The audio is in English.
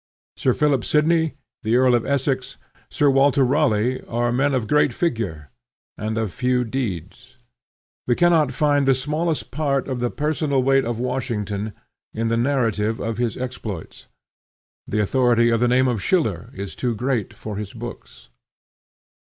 Sir Philip Sidney, the Earl of Essex, Sir Walter Raleigh, are men of great figure and of few deeds. We cannot find the smallest part of the personal weight of Washington in the narrative of his exploits. The authority of the name of Schiller is too great for his books.